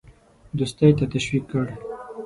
دوستی ته تشویق کړ.